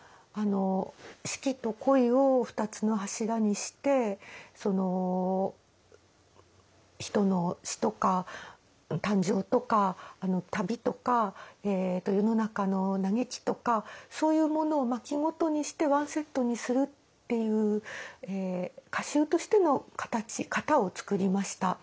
四季と恋を２つの柱にしてその人の詩とか感情とか旅とか世の中の嘆きとかそういうものを巻ごとにしてワンセットにするっていう歌集としての型を創りました。